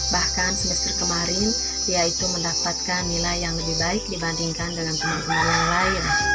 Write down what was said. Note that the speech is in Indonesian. bahkan semester kemarin dia itu mendapatkan nilai yang lebih baik dibandingkan dengan teman teman yang lain